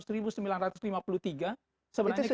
sebenarnya kita sudah ada